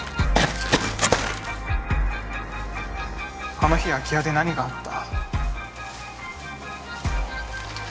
あの日空き家で何があった？